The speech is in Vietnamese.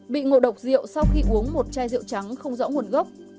bị ngộ độc rượu sau khi uống một chai rượu trắng không rõ nguồn gốc